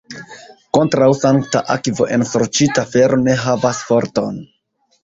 Kontraŭ sankta akvo ensorĉita fero ne havas forton.